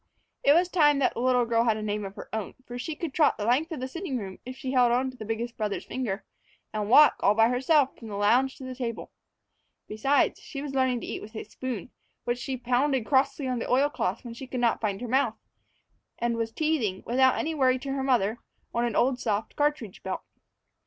It was time that the little girl had a name of her own, for she could trot the length of the sitting room, if she held on to the biggest brother's finger, and walk, all by herself, from the lounge to the table. Besides, she was learning to eat with a spoon, which she pounded crossly on the oil cloth when she could not find her mouth, and was teething, without any worry to her mother, on an old soft cartridge belt.